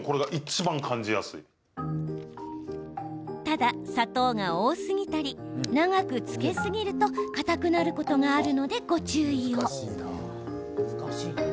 ただ、砂糖が多すぎたり長く漬けすぎるとかたくなることがあるのでご注意を。